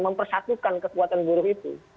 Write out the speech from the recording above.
mempersatukan kekuatan burung itu